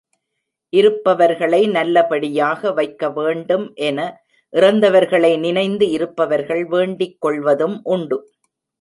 இருப்பவர்களை நல்லபடி யாக வைக்கவேண்டும் என, இறந்தவர்களை நினனந்து இருப்பவர்கள் வேண்டிக்கொள்வதும் உண்டு.